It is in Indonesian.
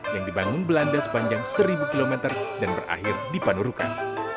yang dibangun belanda sepanjang seribu kilometer dan berakhir dipanurukan